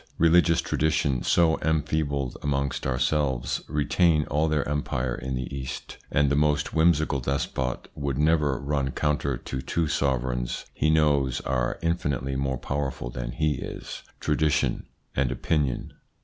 Religious traditions, so en feebled amongst ourselves, retain all their empire in the East, and the most whimsical despot would never run counter to two sovereigns he knows are infinitely more powerful than he is : tradition and opinion.